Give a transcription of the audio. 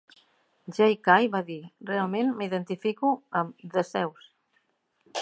Jay Kay va dir, realment m'identifico amb Theseus.